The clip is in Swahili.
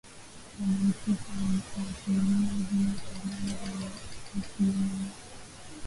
Kwa mantiki ya nadharia hii wataalamu hawa hukiona